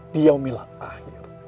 di yaumil akhir